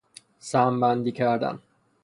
سهم بندی کردن